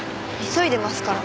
急いでますから。